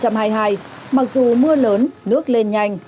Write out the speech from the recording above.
mặc dù mưa lớn nước lên nhanh